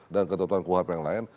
dan ketentuan kuhap yang lain